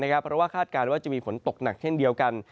เพราะว่าคาดการณ์ว่าจะมีฝนตกหนักเช่นเดียวกัน